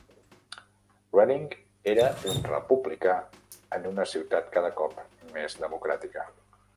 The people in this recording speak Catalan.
Reading era un republicà en una ciutat cada cop més democràtica.